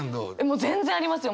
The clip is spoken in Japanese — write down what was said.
もう全然ありますよ。